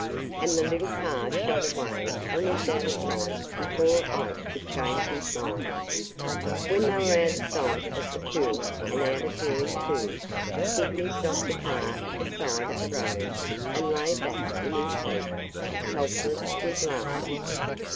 And the little car shot away and was out of sight before Ike could change his mind. When they were out of sight of the pool, and out of hearing too, Sydney stopped the car at the side of the road and lay back in his seat, helpless with laughter.